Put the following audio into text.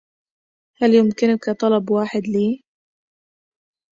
هل يمكنك طلب واحد لي؟